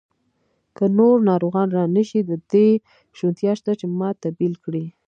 که نور ناروغان را نه شي، د دې شونتیا شته چې ما تبدیل کړي.